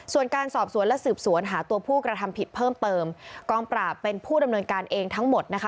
ส่วนการสอบสวนและสืบสวนหาตัวผู้กระทำผิดเพิ่มเติมกองปราบเป็นผู้ดำเนินการเองทั้งหมดนะคะ